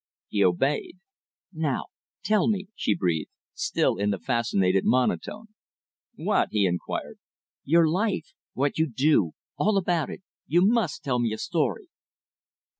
He obeyed. "Now tell me," she breathed, still in the fascinated monotone. "What?" he inquired. "Your life; what you do; all about it. You must tell me a story."